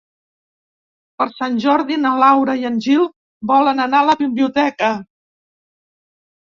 Per Sant Jordi na Laura i en Gil volen anar a la biblioteca.